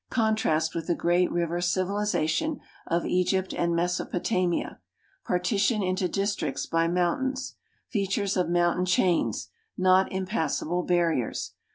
Contrast with the great river civilization of Egypt and Mesopotamia. Partition into districts by mountains. Features of moun tain chains: not impassable barriers.